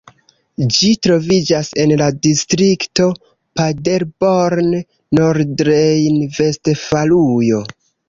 Ĝi troviĝas en la distrikto Paderborn, Nordrejn-Vestfalujo.